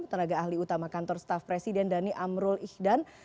tenaga ahli utama kantor staff presiden dhani amrul ihdan